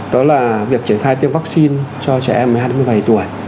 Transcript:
đó là việc triển khai tiêm vaccine cho trẻ em mới hai mươi bảy tuổi